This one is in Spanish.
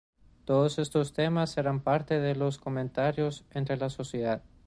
Todos estos temas eran parte de los comentarios entre la sociedad.